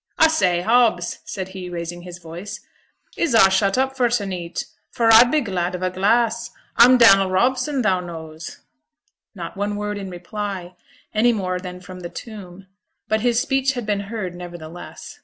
A say, Hobbs,' said he, raising his voice, 'is a' shut up for t' neet; for a'd be glad of a glass. A'm Dannel Robson, thou knows.' Not one word in reply, any more than from the tomb; but his speech had been heard nevertheless.